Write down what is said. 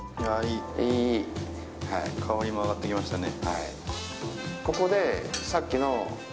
香りも上がってきましたね。